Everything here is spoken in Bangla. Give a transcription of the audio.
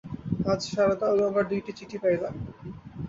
আজ সারদা ও গঙ্গার দুইটি চিঠি পাইলাম।